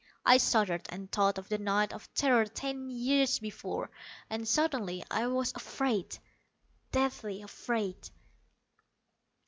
I shuddered, and thought of the night of terror ten years before. And suddenly I was afraid, deathly afraid.